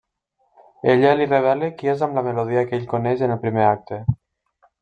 Ella li revela qui és amb la melodia que ell coneix en el primer acte.